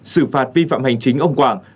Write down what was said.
xử phạt vi phạm hành chính ông quảng